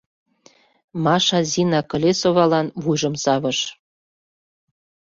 Маша Зина Колесовалан вуйжым савалтыш.